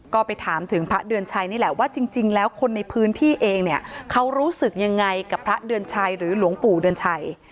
ก็ไปถามถึงพระเดือนชัยนี่แหละว่าจริงแล้วคนในพื้นที่เองเนี่ยเขารู้สึกยังไงกับพระเดือนชัยหรือหลวงปู่เดือนชัย